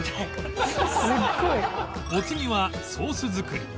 お次はソース作り